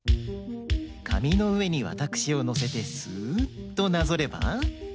かみのうえにわたくしをのせてスッとなぞれば。